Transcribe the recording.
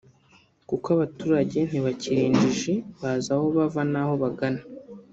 kuko abaturage ntibakiri injiji bazi aho bava naho bagana